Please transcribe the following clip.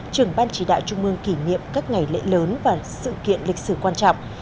trường ban chỉ đạo trung ương kỷ niệm các ngày lễ lớn và sự kiện lịch sử quan trọng